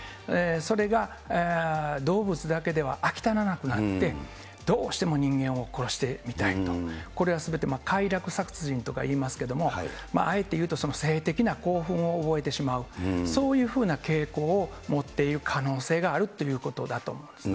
それが動物だけでは飽き足らなくなって、どうしても人間を殺してみたいと、これはすべて快楽殺人とか言いますけども、あえていうと性的な興奮を覚えてしまう、そういうふうな傾向を持っている可能性があるということだと思うんですね。